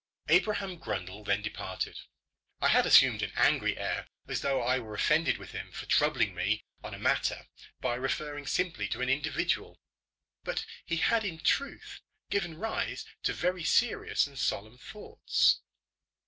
Abraham Grundle then departed. I had assumed an angry air, as though I were offended with him, for troubling me on a matter by referring simply to an individual. But he had in truth given rise to very serious and solemn thoughts.